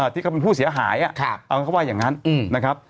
ที่เขาเป็นผู้เสียหายเอาเขาว่าอย่างนั้นนะครับ